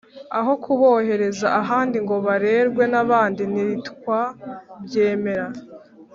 aho kubohereza ahandi ngo barerwe n’ abandi ntitwabyemera